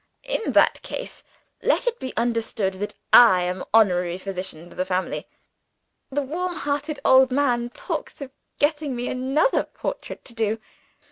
In that case, let it be understood that I am Honorary Physician to the family.' The warm hearted old man talks of getting me another portrait to do.